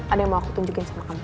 ada yang mau aku tunjukin sama kamu